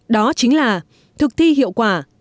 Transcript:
đó chính là thực thi hiệu quả